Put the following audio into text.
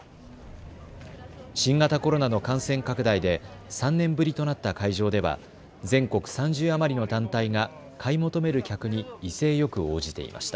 新型コロナの感染拡大で３年ぶりとなった会場では全国３０余りの団体が買い求める客に威勢よく応じていました。